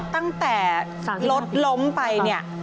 ตั้งแต่รถล้มไปเนี่ย